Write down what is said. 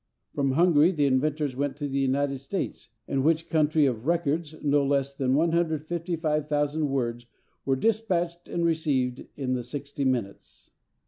From Hungary the inventors went to the United States, in which country of "records" no less than 155,000 words were despatched and received in the sixty minutes.